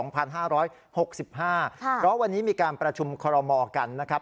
เพราะวันนี้มีการประชุมคอรมอกันนะครับ